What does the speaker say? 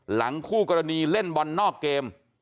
คู่กรณีเล่นบอลนอกเกม